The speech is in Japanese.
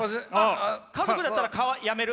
家族だったらやめる？